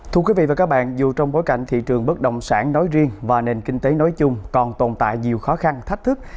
thưa quý vị và các bạn dù trong bối cảnh thị trường bất động sản nói riêng và nền kinh tế nói chung còn tồn tại nhiều khó khăn thách thức